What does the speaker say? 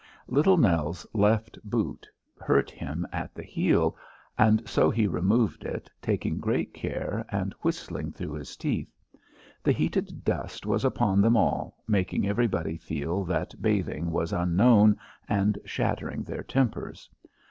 Little Nell's left boot hurt him at the heel, and so he removed it, taking great care and whistling through his teeth. The heated dust was upon them all, making everybody feel that bathing was unknown and shattering their tempers.